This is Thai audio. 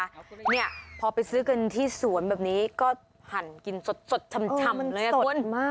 เนี่ยพอไปซื้อกันที่สวนแบบนี้ก็หั่นกินสดชำเลยอ่ะคุณมาก